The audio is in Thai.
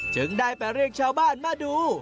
จึงได้ไปเรียกชาวบ้านมาดู